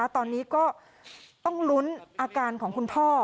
ตอนนี้ก็ต้องลุ้นอาการของคุณพ่อ